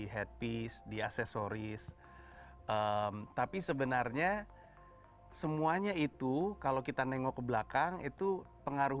hat piece di aksesoris tapi sebenarnya semuanya itu kalau kita nengok ke belakang itu pengaruh